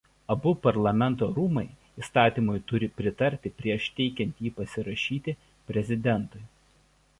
Abu parlamento rūmai įstatymui turi pritarti prieš teikiant jį pasirašyti prezidentui.